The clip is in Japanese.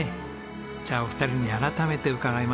じゃあお二人に改めて伺いますね。